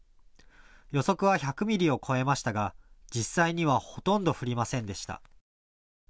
予測は１００ミリを超えましたが実際にはほとんど降りませんでした。